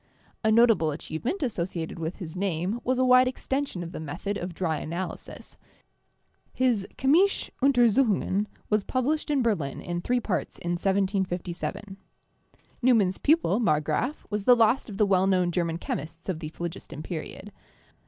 A notable achievement as sociated with his name was a wide extension of the method of dry analysis. His 'Chymische Untersuchungen' was published in Berlin in three parts in 1757. Neumann's pupil, Marggraf, was the last of the well known German chemists of the phlogiston period.